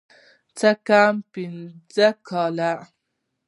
څه کم پينځه کاله.